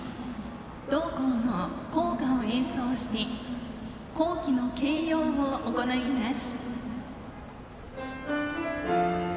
同校の校歌を演奏して校旗の掲揚を行います。